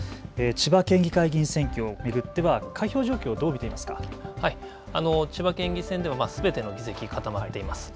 千葉県議会議員選挙を巡っては、開票状況は千葉県議選ではすべての議席が固まっています。